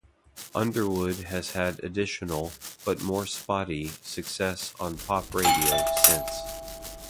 Underwood has had additional, but more spotty, success on pop radio since.